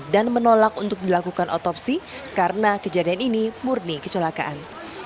dan menolak untuk dilakukan otopsi karena kejadian ini murni kecelakaan